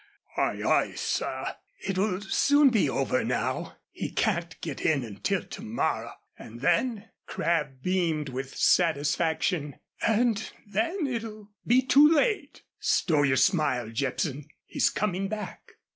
"Aye, aye, sir." "It will soon be over now. He can't get in until to morrow and then" Crabb beamed with satisfaction "and then it'll be too late. Stow your smile, Jepson. He's coming back."